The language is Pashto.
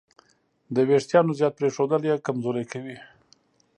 د وېښتیانو زیات پرېښودل یې کمزوري کوي.